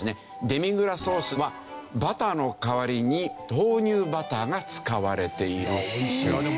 デミグラスソースはバターの代わりに豆乳バターが使われている。